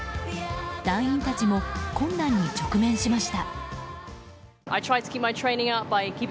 団員たちも困難に直面しました。